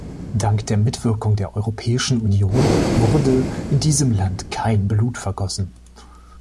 Dank der Mitwirkung der Europäischen Union wurde in diesem Land kein Blut vergossen.